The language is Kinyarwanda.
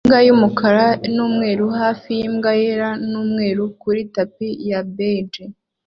Imbwa y'umukara n'umweru hafi y'imbwa yera n'umweru kuri tapi ya beige